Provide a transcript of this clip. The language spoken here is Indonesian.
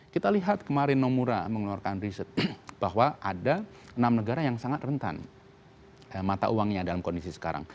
kita lihat kemarin nomura mengeluarkan riset bahwa ada enam negara yang sangat rentan mata uangnya dalam kondisi sekarang